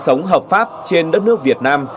sinh sống hợp pháp trên đất nước việt nam